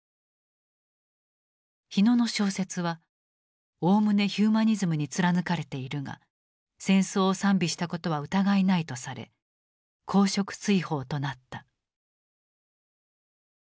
火野の小説は「おおむねヒューマニズムに貫かれているが戦争を賛美したことは疑いない」とされ公職追放となった。